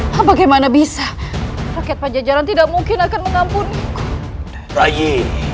hentikan pertarungan ini